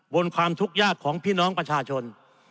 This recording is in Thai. บนความทุกข์ยากของพี่น้องประชาชน